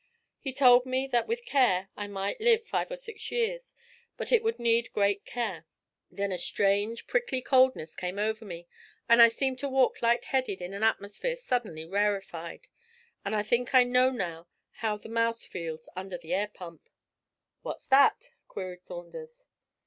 He told me that with care I might live five or six years, but it would need great care. Then a strange prickly coldness came over me, and I seemed to walk light headed in an atmosphere suddenly rarefied. I think I know now how the mouse feels under the air pump.' 'What's that?' queried Saunders.